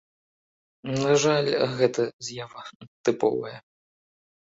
На жаль, гэта з'ява тыповая.